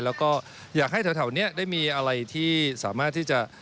แล้วก็อยากให้แถวนี้ได้มีอะไรที่สามารถที่จะ